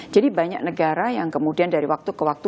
jadi banyak negara yang kemudian dari waktu ke waktu